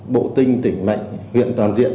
bộ tinh tỉnh mệnh huyện toàn diện